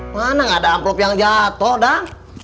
mana gak ada envelope yang jatoh dang